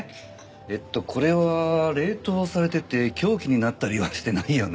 えっとこれは冷凍されてて凶器になったりはしてないよね？